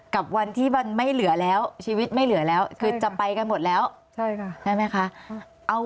กับวันที่มันไม่เหลือแล้วชีวิตไม่เหลือแล้วคือจะไปกันหมดแล้วใช่ไหมคะ